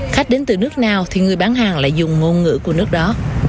khách đến từ nước nào thì người bán hàng lại dùng ngôn ngữ của nước đó